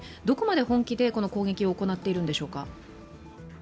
どこまで本気で攻撃を行っているんでしょうか？